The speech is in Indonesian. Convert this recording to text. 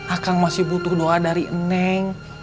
akang masih butuh doa dari neng